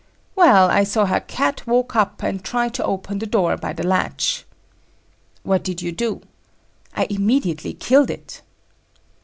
"Well! I saw her Cat walk up and try to open the door by the latch." "What did you do?" "I immediately killed it."